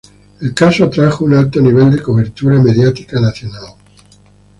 El caso atrajo un alto nivel de cobertura mediática nacional.